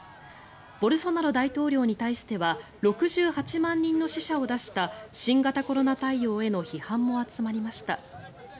ボルソナロ大統領に対しては６８万人の死者を出した新型コロナ対応への批判も集まりました。